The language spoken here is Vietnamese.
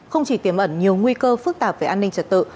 không chỉ tiêm ẩn nhiều nguy cơ phức tạp về an ninh trật tự